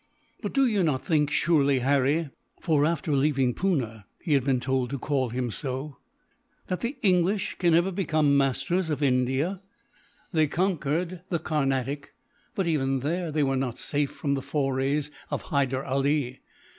"But you do not think, surely, Harry," for after leaving Poona, he had been told to call him so "that the English can ever become masters of India? They conquered the Carnatic, but even there they were not safe from the forays of Hyder Ali.